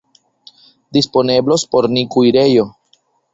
Disponeblos por ni kuirejo.